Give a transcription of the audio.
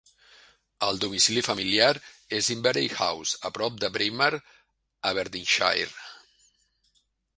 El domicili familiar és Inverey House, a prop de Braemar, Aberdeenshire.